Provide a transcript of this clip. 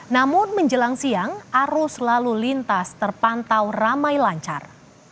namun menjelang siang arus lalu lintas terpantau ramai lancar